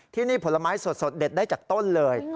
ที่นี่ผลไม้สดเด็ดได้จากต้นเลย